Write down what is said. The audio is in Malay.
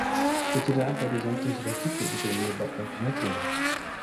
Kecederaan pada jantung sudah cukup untuk menyebabkan kematian